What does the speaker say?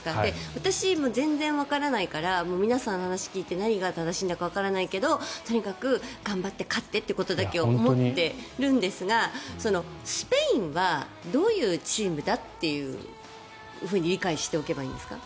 私は全然わからないから皆さんの話を聞いて何が正しいかわからないけどとにかく頑張って勝ってということだけを思ってるんですが、スペインはどういうチームだっていうふうに理解しておけばいいんですか？